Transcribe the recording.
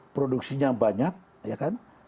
produksinya banyak ya kan